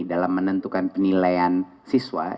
dalam menentukan penilaian siswa